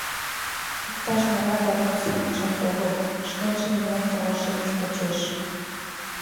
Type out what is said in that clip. Иктаж-могай барон семынжак огыл, шкенжын илен толашымыж почеш.